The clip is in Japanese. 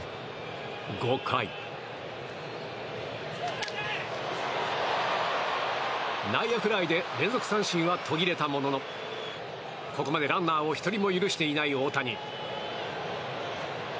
５回、内野フライで連続三振は途切れたもののここまでランナーを１人も許していない大谷。